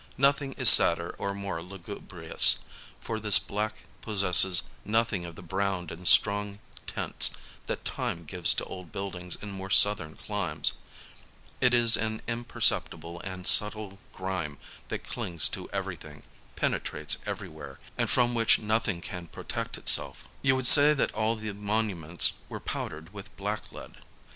Nothing is sadder or more lugubrious, for this black possesses nothing of the browned and strong tints that Time gives to old buildings in more southern climes : it is an imperceptible and subtle grime that clings to everything, penetrates everywhere, and from which nothing can protect itself. You would say that all the monuments were powdered with blacklead.